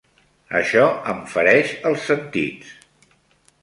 Això em fereix els sentits.